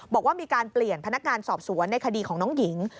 บอกว่ามีการเปลี่ยนพนักงานสอบสวนในคดีของน้องหญิง